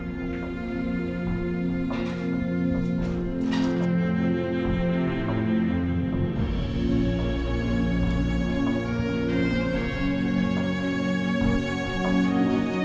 yaudah udah ada